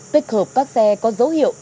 tích hợp các xe có dấu hiệu